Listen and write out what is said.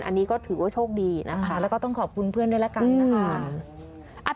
อันนี้ก็ถือว่าโชคดีนะคะแล้วก็ต้องขอบคุณเพื่อนด้วยละกันนะคะ